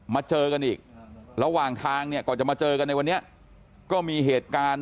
เจอกันอีกระหว่างทางเนี่ยก่อนจะมาเจอกันในวันนี้ก็มีเหตุการณ์